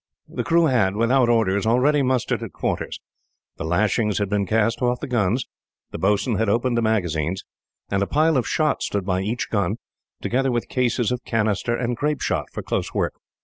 The crew had, without orders, already mustered at quarters. The lashings had been cast off the guns, the boatswain had opened the magazines, and a pile of shot stood by each gun, together with cases of canister and grapeshot for close work.